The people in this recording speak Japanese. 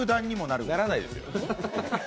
ならないですよ。